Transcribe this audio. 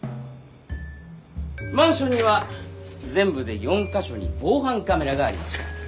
マンションには全部で４か所に防犯カメラがありました。